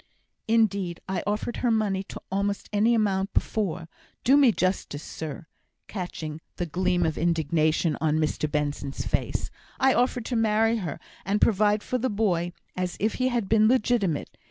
"Indeed, I offered her money to almost any amount before; do me justice, sir," catching the gleam of indignation on Mr Benson's face; "I offered to marry her, and provide for the boy as if he had been legitimate.